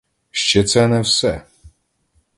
Ще це не все!